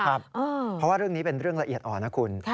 เพราะว่าเรื่องนี้เป็นเรื่องละเอียดอ่อนนะคุณ